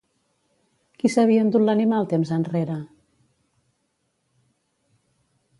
Qui s'havia endut l'animal temps enrere?